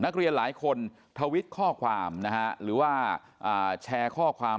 นักเรียนหลายคนทวิตข้อความนะฮะหรือว่าแชร์ข้อความ